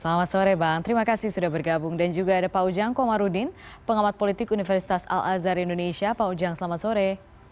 selamat sore bang terima kasih sudah bergabung dan juga ada pak ujang komarudin pengamat politik universitas al azhar indonesia pak ujang selamat sore